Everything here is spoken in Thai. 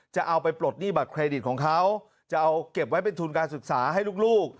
จะเอาไปปลดหนี้บัตเครดิตของเขาจะเอาเก็บไว้เป็นทุนการศึกษาให้ลูก